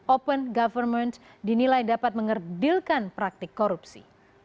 open government dinilai dapat mengerdilkan praktik korupsi